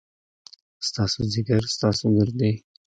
ستاسو ځيګر ، ستاسو ګردې ،